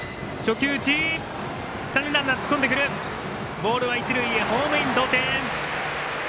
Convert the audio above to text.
ボールは一塁へホームイン、同点。